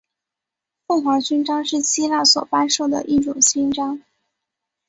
凤凰勋章是希腊所颁授的一种勋章。